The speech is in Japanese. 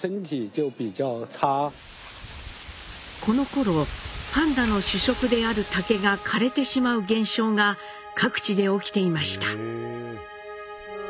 このころパンダの主食である竹が枯れてしまう現象が各地で起きていました。